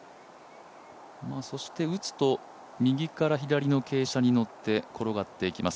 そして打つと右から左の傾斜にのって転がっていきます。